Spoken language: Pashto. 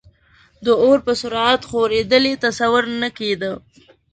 د اور په سرعت خورېدل یې تصور نه کېده.